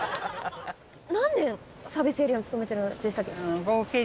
何年サービスエリアに勤めてるんでしたっけ？